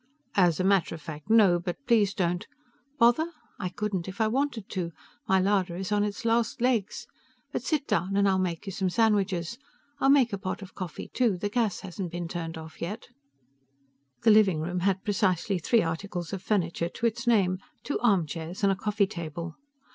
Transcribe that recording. "As a matter of fact no. But please don't " "Bother? I couldn't if I wanted to. My larder is on its last legs. But sit down, and I'll make you some sandwiches. I'll make a pot of coffee too the gas hasn't been turned off yet." The living room had precisely three articles of furniture to its name two armchairs and a coffee table.